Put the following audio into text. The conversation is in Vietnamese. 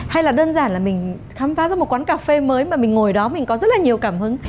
hay là đơn giản là mình khám phá ra một quán cà phê mới mà mình ngồi đó mình có rất là nhiều cảm hứng